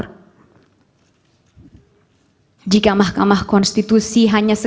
jika mahkamah konstitusi hanya menjadikan mahkamah konstitusi sebagai mahkamah kalkulator